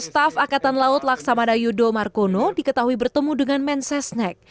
tni laksamadayudo margono diketahui bertemu dengan mensesnek